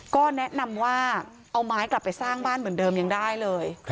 ก็แนะนำว่าเอาไม้กลับไปสร้างบ้านเหมือนเดิมยังได้เลย